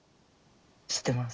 知ってます。